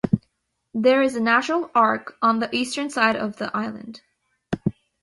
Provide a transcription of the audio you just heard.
There is a natural arch on the eastern side of the island.